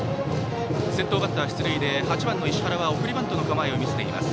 先頭バッター、出塁で８番の石原は送りバントの構えを見せています。